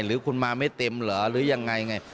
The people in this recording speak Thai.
หรือคุณมาไม่เต็มเหรอหรือยังไงไง